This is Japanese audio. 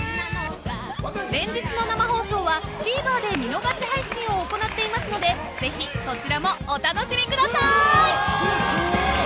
［連日の生放送はＴＶｅｒで見逃し配信を行っていますのでぜひそちらもお楽しみください］